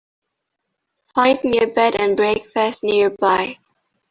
Find me a bed and breakfast nearby.